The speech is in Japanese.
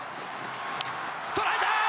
捉えたー！